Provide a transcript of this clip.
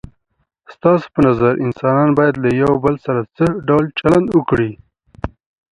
ستاسو په نظر انسانان باید له یو بل سره څه ډول چلند وکړي؟